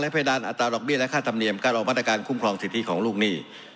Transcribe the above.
เพดานอัตราดอกเบี้ยและค่าธรรมเนียมการรอมาตรการคุ้มครองสิทธิของลูกหนี้